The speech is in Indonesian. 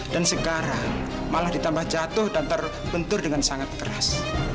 dan sekarang malah ditambah jatuh dan terbentur dengan sangat keras